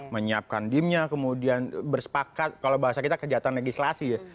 menyiapkan dimnya kemudian bersepakat kalau bahasa kita kejahatan legislasi ya